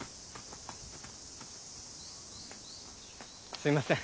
すいません